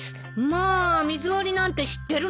まあ水割りなんて知ってるの？